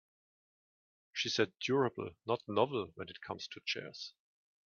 She said durable not novel when it comes to chairs.